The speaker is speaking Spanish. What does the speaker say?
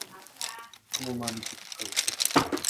Al lado de la iglesia había una casa del párroco.